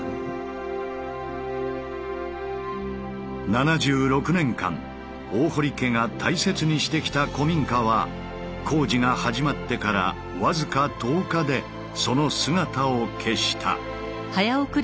７６年間大堀家が大切にしてきた古民家は工事が始まってから僅か１０日でその姿を消した。